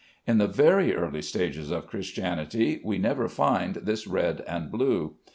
In the very early ages of Christianity, we never find this red and blue.